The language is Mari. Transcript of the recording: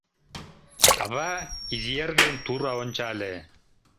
Ава изи эргыжым тура ончале.